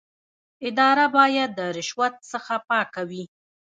اداره باید د رشوت څخه پاکه وي.